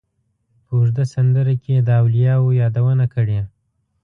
په اوږده سندره کې یې د اولیاوو یادونه کړې.